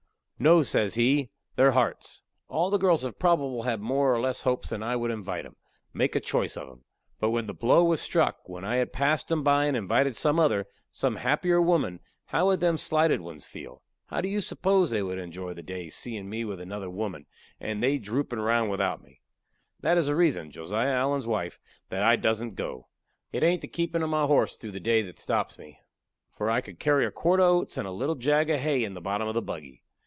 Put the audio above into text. "No," says he, "their hearts. All the girls have probable had more or less hopes that I would invite 'em make a choice of 'em. But when the blow was struck, when I had passed 'em by and invited some other, some happier woman, how would them slighted ones feel? How do you s'pose they would enjoy the day, seein' me with another woman, and they droopin' round without me? That is the reason, Josiah Allen's wife, that I dassent go. It hain't the keepin' of my horse through the day that stops me. For I could carry a quart of oats and a little jag of hay in the bottom of the buggy.